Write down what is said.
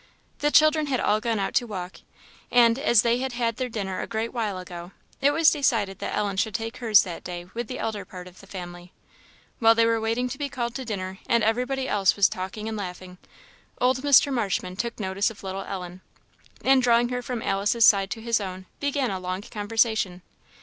The children had all gone out to walk, and, as they had had their dinner a great while ago, it was decided that Ellen should take hers that day with the elder part of the family. While they were waiting to be called to dinner, and everybody else was talking and laughing, old Mr. Marshman took notice of little Ellen, and drawing her from Alice's side to his own, began a long conversation.